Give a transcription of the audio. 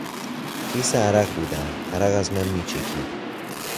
خیس عرق بودم، عرق از من میچکید.